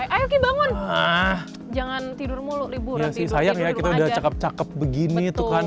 ayo bangun jangan tidur mulu liburan tidur tidur sayang ya kita udah cakep cakep begini tuh kan